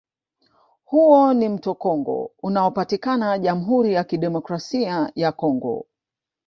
Huo ni mto Congo unaopatikana Jamhuri ya Kidemokrasia ya Congo